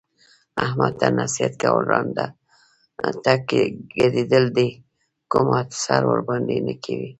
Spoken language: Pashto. احمد ته نصیحت کول ړانده ته ګډېدل دي کوم اثر ورباندې نه کوي.